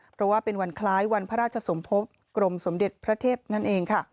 เพราะว่าเป็นวันคล้ายวันพระราชสมภพกรมสมเด็จพระเทพนั่นเองค่ะ